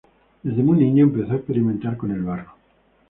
Desde muy niño empezó a experimentar con el barro.